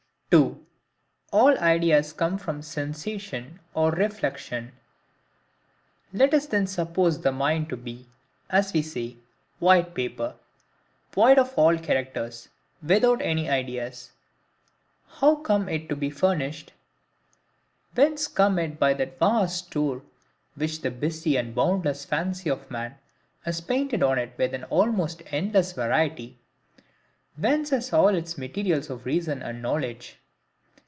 2. All Ideas come from Sensation or Reflection. Let us then suppose the mind to be, as we say, white paper, void of all characters, without any ideas:—How comes it to be furnished? Whence comes it by that vast store which the busy and boundless fancy of man has painted on it with an almost endless variety? Whence has it all the MATERIALS of reason and knowledge?